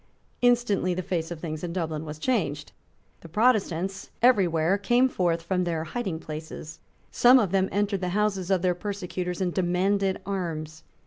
Instantly the face of things in Dublin was changed. The Protestants every where came forth from their hiding places. Some of them entered the houses of their persecutors and demanded arms.